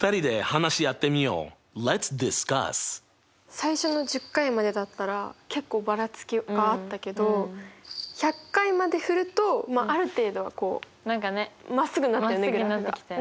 最初の１０回までだったら結構ばらつきがあったけど１００回まで振るとある程度はまっすぐになったよねグラフが。